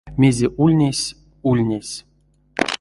Мезе ульнесь — ульнесь.